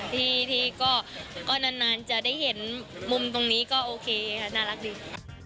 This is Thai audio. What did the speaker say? ที่ก็นานจะได้เห็นมุมตรงนี้ก็โอเคค่ะน่ารักดี